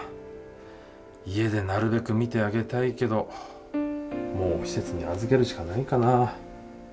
家でなるべく見てあげたいけどもう施設に預けるしかないかな。